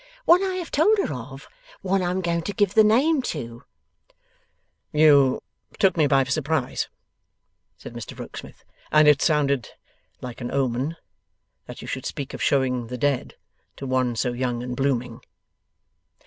One I have told her of. One I'm going to give the name to!' 'You took me by surprise,' said Mr Rokesmith, 'and it sounded like an omen, that you should speak of showing the Dead to one so young and blooming.